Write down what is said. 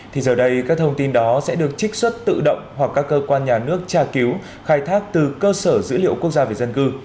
thì giờ đây các thông tin đó sẽ được trích xuất tự động hoặc các cơ quan nhà nước tra cứu khai thác từ cơ sở dữ liệu quốc gia về dân cư